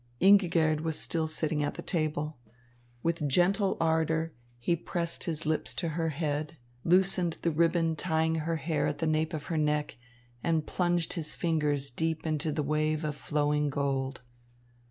Ingigerd was still sitting at the table. With gentle ardour he pressed his lips to her head, loosened the ribbon tying her hair at the nape of her neck, and plunged his fingers deep into the wave of flowing gold.